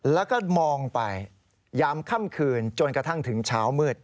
แล้วก็มองไปยามค่ำคืนจนกระทั่งถึงเช้ามืด